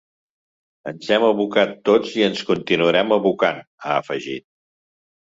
“Ens hem abocat tots i ens continuarem abocant”, ha afegit.